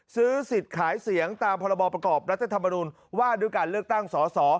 ซื้อสิทธิ์ขายเสียงตามพรบประกอบรัฐธรรมนุนว่าด้วยการเลือกตั้งสอสอ